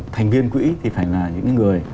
thành viên quỹ thì phải là những người